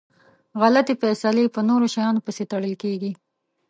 غلطي فیصلی په نورو شیانو پسي تړل کیږي.